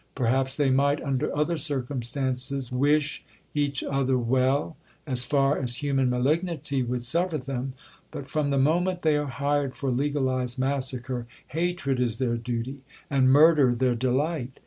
Perhaps they might, under other circumstances, wish each other well, as far as human malignity would suffer them; but from the moment they are hired for legalized massacre, hatred is their duty, and murder their delight.